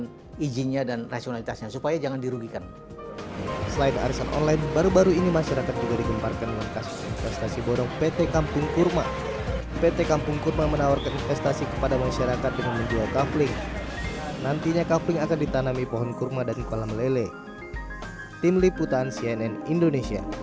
dengan izinnya dan rasionalitasnya supaya jangan dirugikan